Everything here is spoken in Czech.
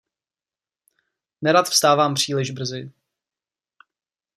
Nerad vstávám příliš brzy.